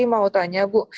mau tanya bu